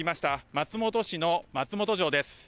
松本市の松本城です。